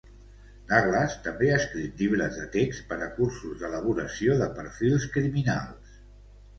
Douglas també ha escrit llibres de text per a cursos d'elaboració de perfils criminals.